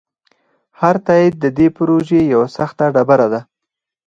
هر تایید د دې پروژې یوه سخته ډبره ده.